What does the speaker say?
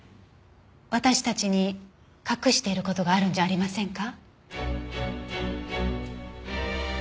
私たちに隠している事があるんじゃありませんか？